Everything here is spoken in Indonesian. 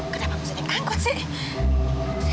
kenapa harus naik angkot sih